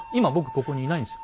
ここにいないんですよ。